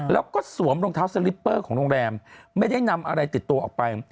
แล้วก็สวมรองเท้าสลิปเปอร์ของโรงแรมไม่ได้นำอะไรติดตัวออกไป